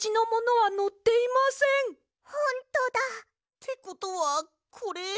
ってことはこれ。